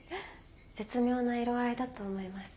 絶妙な色合いだと思います。